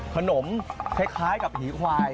ขนมคล้ายกับหี่ควาย